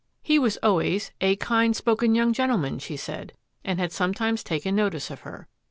He was always " a kind spoken young gentleman," she said, and had sometimes taken notice of her.